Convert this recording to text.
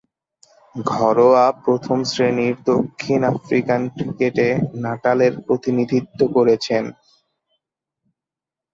ঘরোয়া প্রথম-শ্রেণীর দক্ষিণ আফ্রিকান ক্রিকেটে নাটালের প্রতিনিধিত্ব করেছেন।